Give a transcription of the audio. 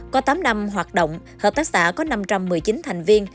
có tám năm hoạt động hợp tác xã có năm trăm một mươi chín thành viên